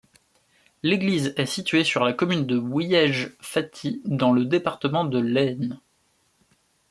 L'église est située sur la commune de Wiège-Faty, dans le département de l'Aisne.